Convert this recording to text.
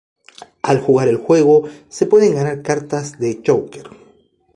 Al jugar el juego, se pueden ganar cartas de "Joker".